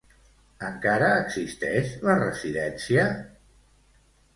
Encara existeix la residència?